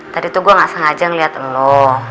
tadi tuh gue gak sengaja ngeliat lo